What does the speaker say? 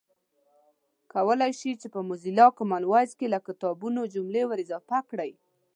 کولای شئ چې په موزیلا کامن وایس کې له کتابونو جملې ور اضافه کړئ